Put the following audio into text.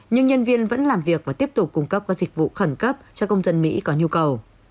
nhưng nhân viên vẫn làm việc và tiếp tục cung cấp các dịch vụ khẩn cấp cho công dân mỹ có nhu cầu